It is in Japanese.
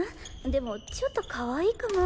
でもちょっと可愛いかも。